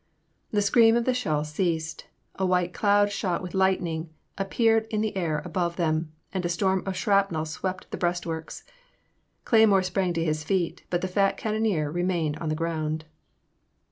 The scream of the shell ceased ; a white cloud shot with lightning appeared in the air above them, and a storm of shrapnel swept the breast works. Cleymore sprang to his feet, but the fat cannoneer remained on the ground.